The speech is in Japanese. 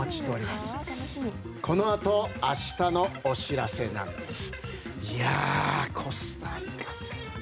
このあと明日のお知らせなんです。